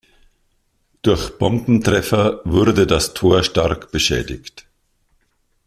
Durch Bombentreffer wurde das Tor stark beschädigt.